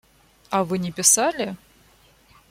А Вы не писали?